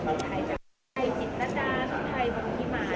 หรือใครจะใจจิตตะดามใครพอพอที่มา